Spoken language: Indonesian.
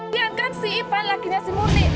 lihat kan si ipan lakinya si murni